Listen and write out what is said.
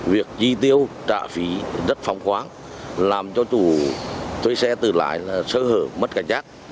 việc chi tiêu trả phí rất phong khoáng làm cho chủ thuê xe từ lại sơ hở mất cả nhát